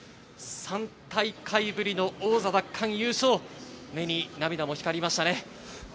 ３大会ぶりの王座奪還優勝、目に涙も光りましたね。